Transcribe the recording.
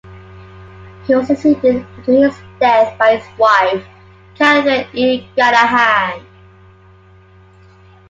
He was succeeded after his death by his wife, Kathryn E. Granahan.